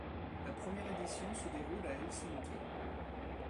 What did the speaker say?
La première édition se déroule à Helsinki.